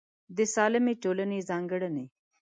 د سالمې ټولنې ځانګړنې